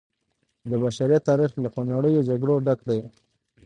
د بشریت تاریخ له خونړیو جګړو ډک دی.